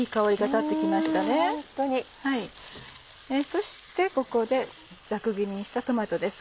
そしてここでざく切りにしたトマトです